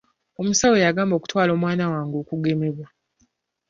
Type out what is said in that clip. Omusawo yangamba okutwala omwana wange okugemebwa.